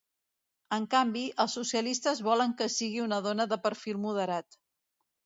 En canvi, els socialistes volen que sigui una dona de perfil moderat.